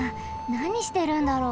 なにしてるんだろう？